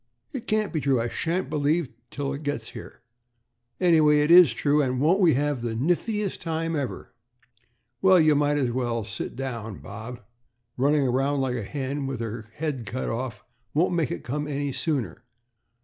"It can't be true. I shan't believe it till it gets here." "Anyway, it is true, and won't we have the niftiest time ever?" "Well, you might as well sit down, Bob. Running around like a hen with her head cut off won't make it come any sooner."